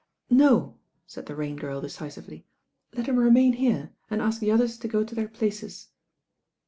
"No," said the Rain Girl decisively. "Let him remain here, and ask the others to go to their places."